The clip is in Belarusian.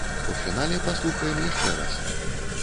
У фінале паслухаем яшчэ раз.